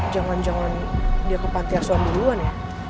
jangan jangan dia ke panti asuhan duluan ya